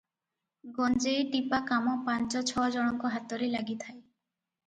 ଗଞ୍ଜେଇଟିପା କାମ ପାଞ୍ଚ ଛ ଜଣଙ୍କ ହାତରେ ଲାଗିଥାଏ ।